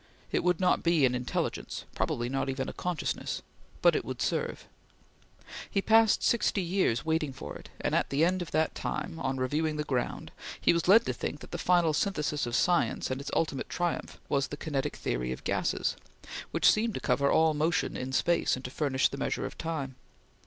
It would not be an intelligence probably not even a consciousness but it would serve. He passed sixty years waiting for it, and at the end of that time, on reviewing the ground, he was led to think that the final synthesis of science and its ultimate triumph was the kinetic theory of gases; which seemed to cover all motion in space, and to furnish the measure of time.